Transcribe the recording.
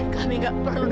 kamu gak perlu